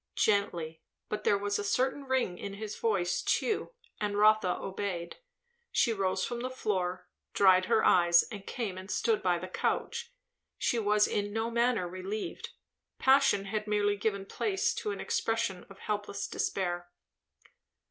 Gently, but there was a certain ring in his voice too; and Rotha obeyed. She rose from the floor, dried her eyes and came and stood by the couch. She was in no manner relieved; passion had merely given place to an expression of helpless despair.